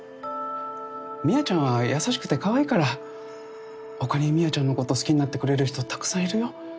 深愛ちゃんは優しくてかわいいから他に深愛ちゃんの事を好きになってくれる人たくさんいるよ。